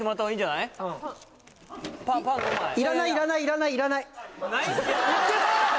いらないいらないいらないいらない！